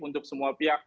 untuk semua pihak